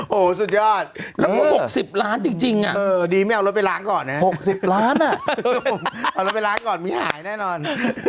โอ้โหสุดยอดแล้วก็๖๐ล้านจริงดีไม่เอารถไปล้างก่อนนะ๖๐ล้านเอารถไปล้างก่อนมีหายแน่นอน